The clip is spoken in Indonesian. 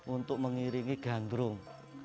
untuk mengiringi ganrung